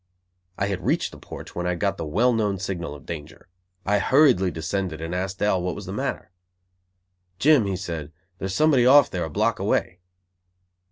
I had reached the porch when I got the well known signal of danger. I hurriedly descended and asked Dal what was the matter. "Jim," he said, "there's somebody off there, a block away."